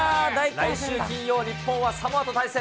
来週金曜、日本はサモアと対戦。